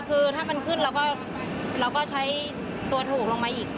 คือถ้ามันขึ้นเราก็ใช้ตัวถูกลงมาอีก